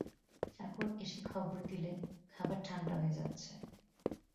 চাকর এসে খবর দিলে খাবার ঠাণ্ডা হয়ে যাচ্ছে।